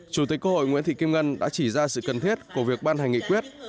chủ tịch quốc hội nguyễn thị kim ngân đã chỉ ra sự cần thiết của việc ban hành nghị quyết